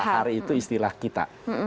lahar itu istilah kita